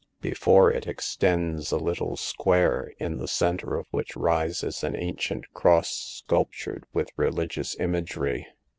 Before it, extends a little square, in the center of which rises an ancient cross sculptured with religious imagery.